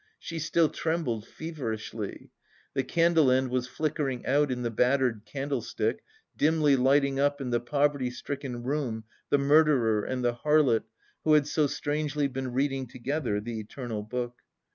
She still trembled feverishly. The candle end was flickering out in the battered candlestick, dimly lighting up in the poverty stricken room the murderer and the harlot who had so strangely been reading together the eternal book.